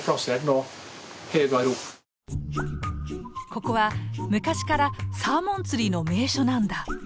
ここは昔からサーモン釣りの名所なんだ。